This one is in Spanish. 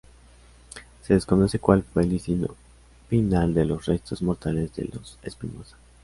Se desconoce cual fue el destino final de los restos mortales de los Espinosa.